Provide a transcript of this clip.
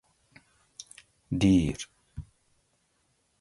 دیر